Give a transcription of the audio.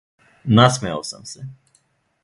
Насмејао сам се.